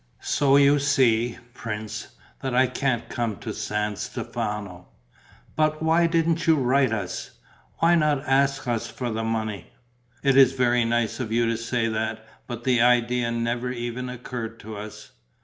So you see, prince, that I can't come to San Stefano." "But why didn't you write to us? Why not ask us for money?" "It is very nice of you to say that, but the idea never even occurred to us."